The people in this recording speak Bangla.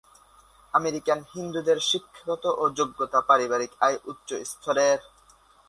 আমেরিকান হিন্দুদের শিক্ষাগত যোগ্যতা ও পারিবারিক আয় উচ্চস্তরের।